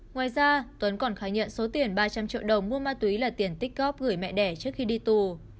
ngoài ra tuấn còn khai nhận số tiền ba trăm linh triệu đồng mua ma túy là tiền tích cóp gửi mẹ đẻ trước khi đi tù